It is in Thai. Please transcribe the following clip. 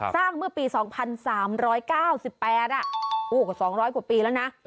สร้างเมื่อปี๒๓๙๘อ่ะ๒๐๐กว่าปีแล้วนะ